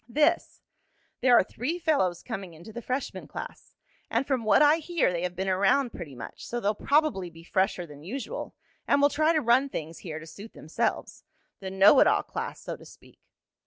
"This. There are three fellows coming into the freshman class. And from what I hear they have been around pretty much, so they'll probably be fresher than usual and will try to run things here to suit themselves. The know it all class, so to speak."